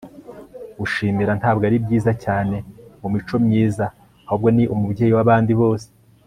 gushimira ntabwo ari byiza cyane mu mico myiza ahubwo ni umubyeyi w'abandi bose